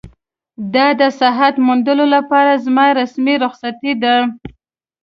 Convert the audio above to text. دا د صحت موندلو لپاره زما رسمي رخصتي ده.